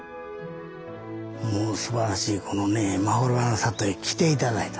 もうすばらしいこのまほろばの里へ来て頂いたと。